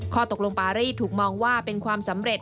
ข้อตกลงปารีสถูกมองว่าเป็นความสำเร็จ